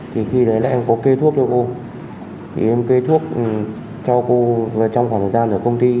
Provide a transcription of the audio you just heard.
thì khi đấy là em có kê thuốc cho cô thì em kê thuốc cho cô trong khoảng thời gian ở công ty